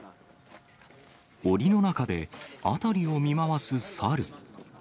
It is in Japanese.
おりの中で、辺りを見回すサル。